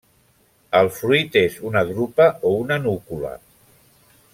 El fruit és una drupa o una núcula.